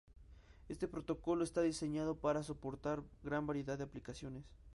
Este protocolo está diseñado para soportar gran variedad de aplicaciones.